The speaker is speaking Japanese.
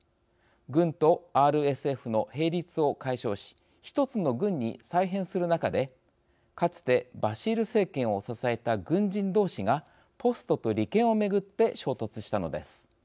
軍とＲＳＦの並立を解消し１つの軍に再編する中でかつてバシール政権を支えた軍人同士がポストと利権を巡って衝突したのです。